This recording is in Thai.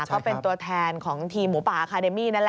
ก็เป็นตัวแทนของทีมหมูป่าอาคาเดมี่นั่นแหละ